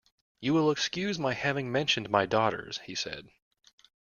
"You will excuse my having mentioned my daughters," he said.